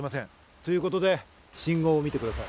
ということで信号を見てください。